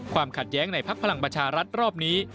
ความขัดแย้งในพลักษณ์พลังบัชรัฐรอบนี้